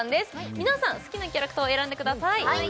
皆さん好きなキャラクターを選んでくださいはい！